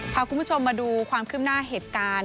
พาคุณผู้ชมมาดูความขึ้นหน้าเหตุการณ์